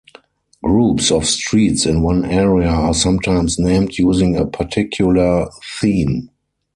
Groups of streets in one area are sometimes named using a particular theme.